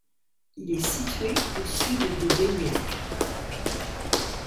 Il est situé au sud de Daignac.